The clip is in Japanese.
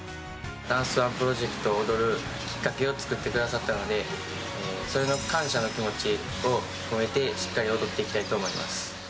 ダンスＯＮＥプロジェクトを踊るきっかけを作ってくださったので、それの感謝の気持ちを込めて、しっかり踊っていきたいと思います。